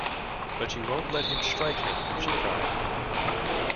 ‘But you won’t let him strike me?’ she cried.